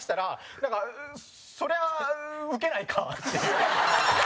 なんかそりゃウケないかっていう。